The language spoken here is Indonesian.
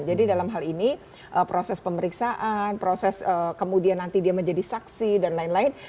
jadi dalam hal ini proses pemeriksaan proses kemudian nanti dia menjadi saksi dan lain lain